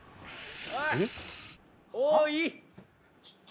おい！